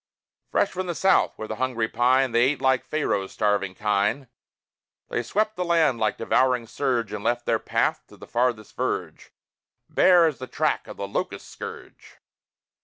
Fresh from the South, where the hungry pine They ate like Pharaoh's starving kine; They swept the land like devouring surge, And left their path, to the farthest verge, Bare as the track of the locust scourge.